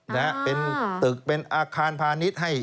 ตึกเป็นอาคารพาณิชย์